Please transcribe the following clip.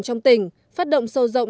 trong tỉnh phát động sâu rộng